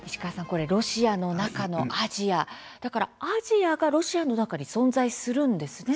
これ「ロシアの中のアジア」だから、アジアがロシアの中に存在するんですね。